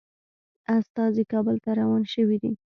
استازي کابل ته روان شوي دي.